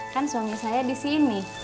kan suami saya di sini